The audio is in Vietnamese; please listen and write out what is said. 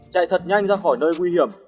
chạy thật nhanh ra khỏi nơi nguy hiểm